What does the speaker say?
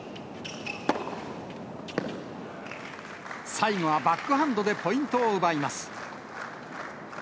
最後はバックハンドでポイントを奪います。